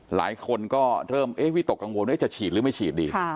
หลายคนก็เริ่มวิตกกังวลว่าจะฉีดหรือไม่ฉีดดี